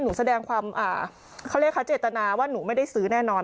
หนูแสดงความเขาเรียกคะเจตนาว่าหนูไม่ได้ซื้อแน่นอน